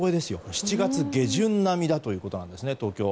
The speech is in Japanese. ７月下旬並みだということです、東京。